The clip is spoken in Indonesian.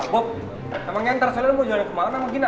lah bob sama nyen terserah lo mau jalan kemana sama gina